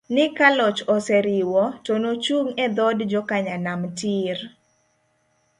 ni ka loch oseriwo, to nochung e dhood jokanyanam tiir!!